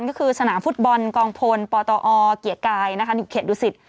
ก็คือสนามฟุตบอลกองพลปตอเกียรติกายนะคะอยู่เขตดุสิต